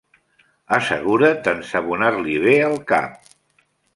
Assegura't d'ensabonar-li bé el cap.